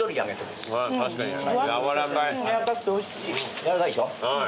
軟らかいでしょ？